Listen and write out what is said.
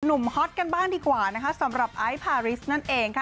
ฮอตกันบ้างดีกว่านะคะสำหรับไอซ์พาริสนั่นเองค่ะ